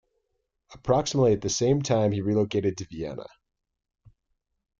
Approximately at the same time he relocated to Vienna.